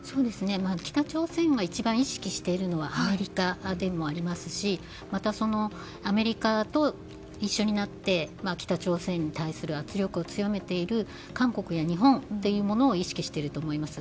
北朝鮮が一番意識しているのはアメリカでもありますしまたアメリカと一緒になって北朝鮮に対する圧力を強めている韓国や日本を意識していると思います。